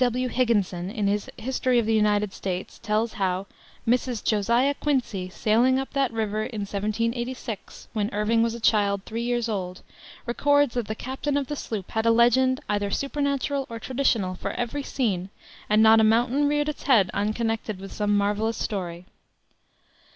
T. W. Higginson, in his History of the United States, tells how "Mrs. Josiah Quincy, sailing up that river in 1786, when Irving was a child three years old, records that the captain of the sloop had a legend, either supernatural or traditional, for every scene, and not a mountain reared its head unconnected with some marvelous story.'"